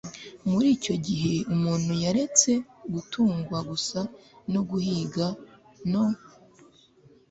Muri icyo gihe umuntu yaretse gutungwa gusa no guhiga no